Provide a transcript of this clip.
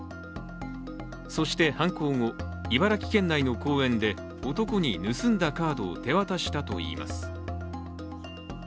そして犯行後、茨城県内の公園で男に盗んだカードを手渡したといいます。